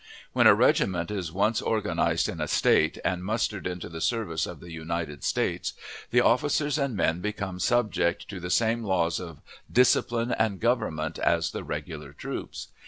When a regiment is once organized in a State, and mustered into the service of the United States, the officers and men become subject to the same laws of discipline and government as the regular troops.